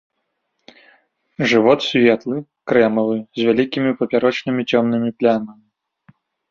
Жывот светлы, крэмавы, з вялікімі папярочнымі цёмнымі плямамі.